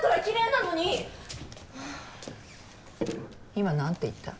今何て言った？